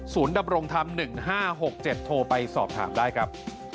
๐๑๕๖๗โทรไปสอบถามได้ครับ